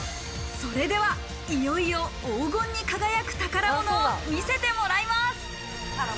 それではいよいよ、黄金に輝く宝物を見せてもらいます。